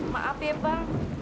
maaf ya bang